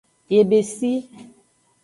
Yebesi.